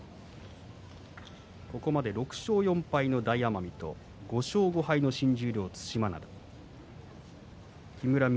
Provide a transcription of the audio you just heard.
ここまで６勝４敗の大奄美５勝５敗の新十両、對馬洋。